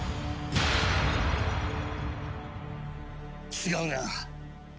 違うな。